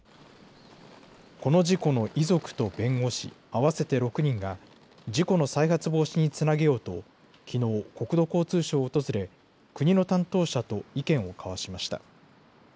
この事故の遺族と弁護士合わせて６人が、事故の再発防止につなげようと、きのう、国土交通省を訪れ、国の担当者と意見を交わしました。